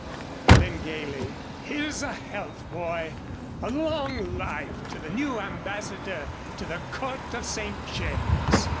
And then, gayly: "Here's a health, boy a long life to the new ambassador to the Court of St. James!"